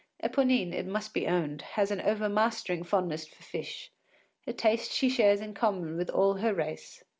Eponine, it must be owned, has an overmastering fondness for fish, a taste she shares in common with all her race.